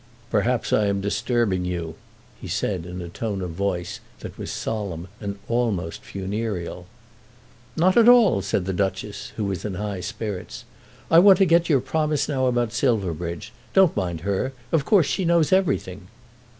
"Perhaps I am disturbing you," he said in a tone of voice that was solemn and almost funereal. "Not at all," said the Duchess, who was in high spirits. "I want to get your promise now about Silverbridge. Don't mind her. Of course she knows everything."